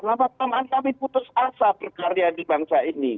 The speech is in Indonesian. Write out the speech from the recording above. lampak teman kami putus asa perkaryaan di bangsa ini